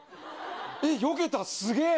え、よけた、すげー。